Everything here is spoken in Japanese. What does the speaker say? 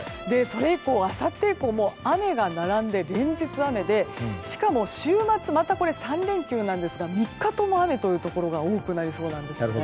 あさって以降は連日雨で、しかも週末また３連休ですが３日とも雨というところが多くなりそうです。